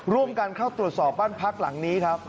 ร่วมกันเข้าตรวจสอบบ้านพักหลังนี้ครับ